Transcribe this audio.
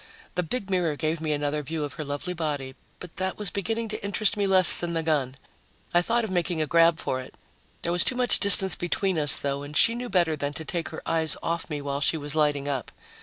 The big mirror gave me another view of her lovely body, but that was beginning to interest me less than the gun. I thought of making a grab for it. There was too much distance between us, though, and she knew better than to take her eyes off me while she was lighting up.